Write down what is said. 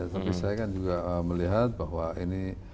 tapi saya kan juga melihat bahwa ini